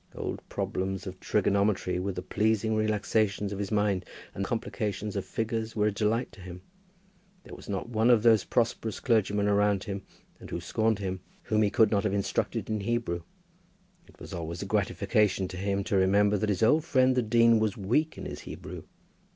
Old problems in trigonometry were the pleasing relaxations of his mind, and complications of figures were a delight to him. There was not one of those prosperous clergymen around him, and who scorned him, whom he could not have instructed in Hebrew. It was always a gratification to him to remember that his old friend the dean was weak in his Hebrew.